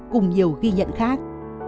cùng nhiều ghi nhận khác